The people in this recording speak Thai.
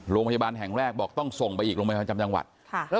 โรงพยาบาลแห่งแรกบอกต้องส่งไปอีกโรงพยาบาลจำจังหวัดค่ะ